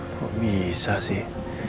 kok bisa sih